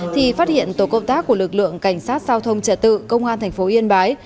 thì phát hiện tổ công tác của lực lượng cảnh sát giao thông trật tự công an thành phố yên bái